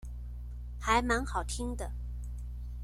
還蠻好聽的